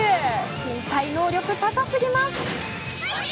身体能力、高すぎます。